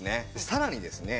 さらにですね